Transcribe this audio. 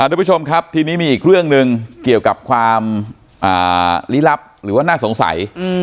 ทุกผู้ชมครับทีนี้มีอีกเรื่องหนึ่งเกี่ยวกับความลี้ลับหรือว่าน่าสงสัย